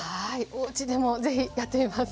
おうちでも是非やってみます。